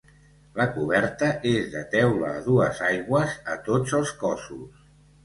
La coberta és de teula a dues aigües a tots els cossos.